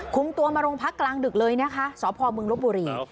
คุมตัวมาโรงพักกลางดึกเลยนะคะสพมลบบุรี